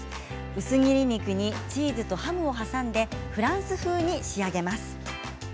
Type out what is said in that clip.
薄切り肉にチーズとハムを挟んでフランス風に仕上げます。